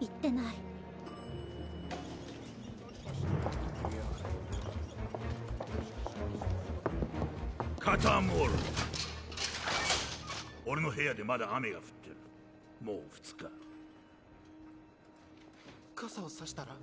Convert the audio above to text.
言ってない・カターモール俺の部屋でまだ雨が降ってるもう２日傘を差したら？